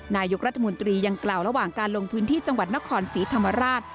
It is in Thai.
นายกรัฐมนตรียังกล่าวระหว่างการลงพื้นที่จังหวัดนครศรีธรรมราช